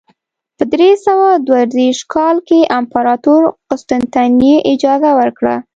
په درې سوه دوه دېرش کال کې امپراتور قسطنطین اجازه ورکړه.